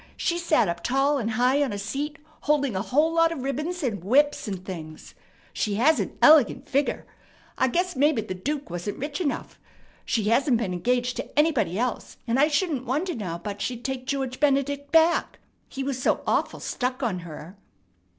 She sat up tall and high on a seat, holding a whole lot of ribbons and whips and things. She has an elegant figger. I guess mebbe the dook wasn't rich enough. She hasn't been engaged to anybody else, and I shouldn't wonder now but she'd take George Benedict back. He was so awful stuck on her!"